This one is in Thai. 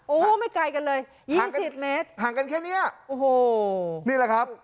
โอ้โหไม่ไกลกันเลยยี่สิบเมตรห่างกันแค่เนี้ยโอ้โหนี่แหละครับ